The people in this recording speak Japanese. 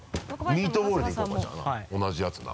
ミートボールでいこうかじゃあな同じやつな。